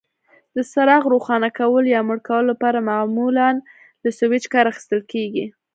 د څراغ روښانه کولو یا مړ کولو لپاره معمولا له سویچ کار اخیستل کېږي.